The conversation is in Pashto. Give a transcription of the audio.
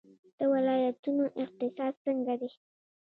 د ولایتونو اقتصاد څنګه دی؟